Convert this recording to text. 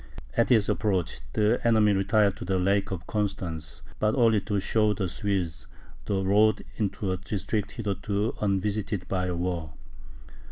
At his approach, the enemy retired to the Lake of Constance, but only to show the Swedes the road into a district hitherto unvisited by war.